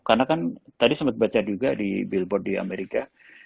karena kan tadi sempat baca juga di billboard di amerika